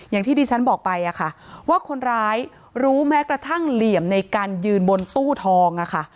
อย่างที่ดิฉันบอกไปค่ะว่าคนร้ายรู้แม้กระทั่งเหลี่ยมในการยืนบนตู้ทอง